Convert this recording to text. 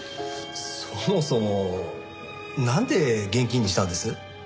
そもそもなんで現金にしたんです？